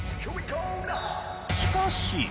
しかし。